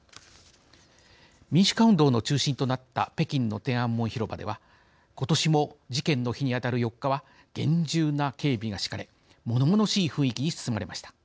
民主化運動の中心となった北京の天安門広場では今年も事件の日に当たる４日は厳重な警備が敷かれものものしい雰囲気に包まれました。